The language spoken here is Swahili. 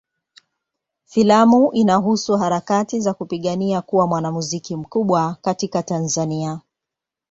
Filamu inahusu harakati za kupigania kuwa mwanamuziki mkubwa katika Tanzania.